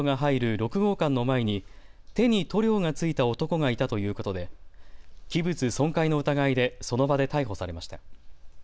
６号館の前に手に塗料がついた男がいたということで器物損壊の疑いでその場で逮捕されました。